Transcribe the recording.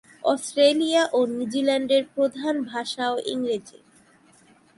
Australia ও নিউজিল্যান্ডের প্রধান ভাষাও ইংরেজি।